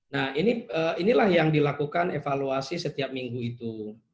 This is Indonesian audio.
nah inilah yang dilakukan evaluasi setiap minggu itu